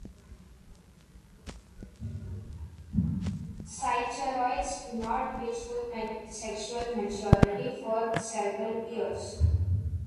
Physeteroids do not reach full sexual maturity for several years.